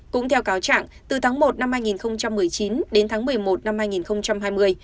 cũng theo cáo trạng từ tháng một năm hai nghìn một mươi chín đến tháng một mươi một năm hai nghìn hai mươi